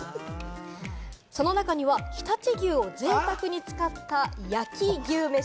その中には常陸牛を贅沢に使った焼き牛めし。